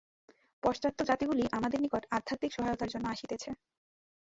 পাশ্চাত্য জাতিগুলি আমাদের নিকট আধ্যাত্মিক সহায়তার জন্য আসিতেছে।